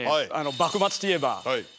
幕末といえばね